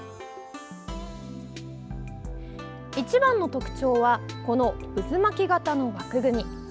一番の特徴はこの渦巻き型の枠組み。